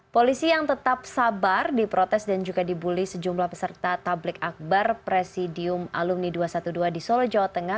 polisi yang tetap sabar diprotes dan juga dibully sejumlah peserta tablik akbar presidium alumni dua ratus dua belas di solo jawa tengah